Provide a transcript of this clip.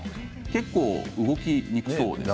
結構、動きにくそうですね。